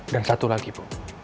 dan satu lagi ibu